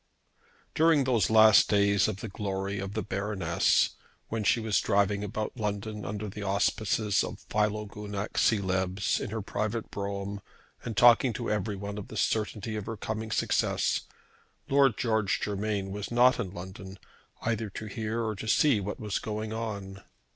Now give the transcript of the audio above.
During those last days of the glory of the Baroness, when she was driving about London under the auspices of Philogunac Coelebs in her private brougham and talking to everyone of the certainty of her coming success, Lord George Germain was not in London either to hear or to see what was going on.